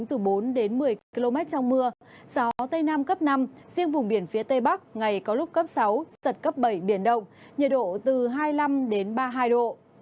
gió tây nam cấp năm riêng vùng biển phía tây bắc ngày có lúc cấp sáu giật cấp bảy biển đông nhiệt độ từ hai mươi năm đến ba mươi hai độ